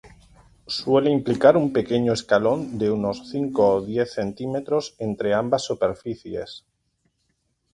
Suele implicar un pequeño escalón de unos cinco o diez centímetros entre ambas superficies.